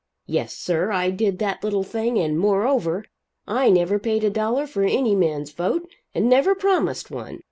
Yes, sir, I did that little thing. And moreover, I never paid a dollar for any man's vote and never promised one.